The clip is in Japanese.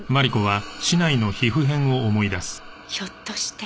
ひょっとして。